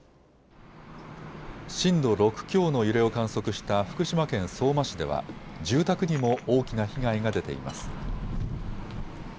震度６強の揺れを観測した福島県相馬市では住宅にも大きな被害が出ています。